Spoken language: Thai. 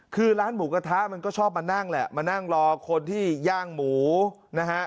คือร้านหมูกระทะมันก็ชอบมานั่งแหละมานั่งรอคนที่ย่างหมูนะฮะ